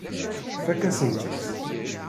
Tfakk-asent-t.